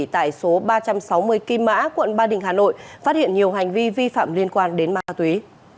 tại số ba trăm sáu mươi kim mã quận ba đình hà nội phát hiện nhiều hành vi vi phạm liên quan đến ma túy